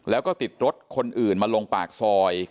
แล้วก็ติดรถคนอื่นมาลงปากซอย